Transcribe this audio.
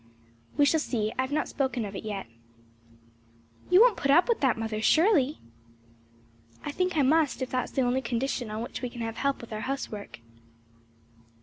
"We shall see; I have not spoken of it yet." "You won't put up with that, mother surely?" "I think I must if that is the only condition on which we can have help with our housework."